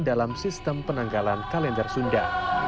dalam sistem penanggalan kalender sunda